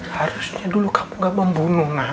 harusnya dulu kamu gak membunuh nak